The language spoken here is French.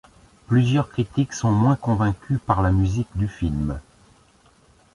Plusieurs critiques sont moins convaincus par la musique du film.